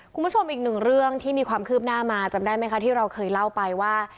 คุณผู้ชมอีกหนึ่งเรื่องที่มีความคืบหน้ามาจำได้ไหมคะที่เราเคยเล่าไปว่า